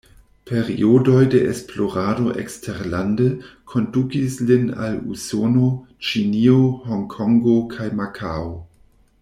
Periodoj de esplorado eksterlande kondukis lin al Usono, Ĉinio, Honkongo kaj Makao.